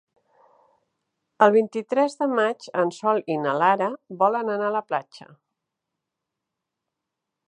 El vint-i-tres de maig en Sol i na Lara volen anar a la platja.